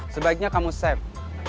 sebaiknya kamu save